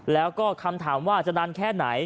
แล้วก็คำถามว่าจะนานแค่ไหน